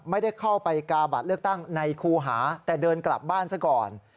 ไม่ได้เข้าไปกาบัตรเลือกตั้งในครูหาแต่เดินกลับบ้านซะก่อน